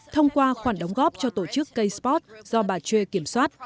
thông qua khoản đóng góp cho tổ chức k sport do bà choi kiểm soát